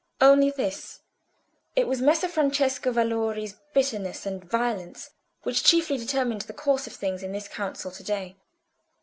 "Only this. It was Messer Francesco Valori's bitterness and violence which chiefly determined the course of things in the council to day.